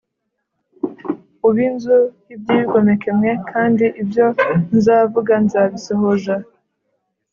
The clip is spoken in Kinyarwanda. Ub inzu y ibyigomeke mwe kandi ibyo nzavuga nzabisohoza